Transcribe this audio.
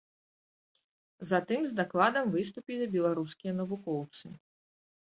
Затым з дакладамі выступілі беларускія навукоўцы.